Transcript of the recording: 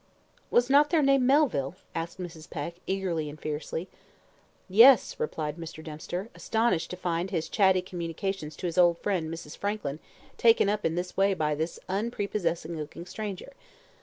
"Was not their name Melville?" asked Mrs. Peck, eagerly and fiercely. "Yes," replied Mr. Dempster, astonished to find his chatty communications to his old friend, Mrs. Frankland, taken up in this way by this unprepossessing looking stranger.